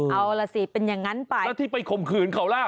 เอาล่ะสิเป็นอย่างนั้นไปแล้วที่ไปข่มขืนเขาล่ะ